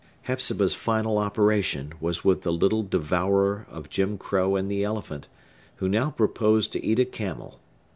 Hepzibah's final operation was with the little devourer of Jim Crow and the elephant, who now proposed to eat a camel.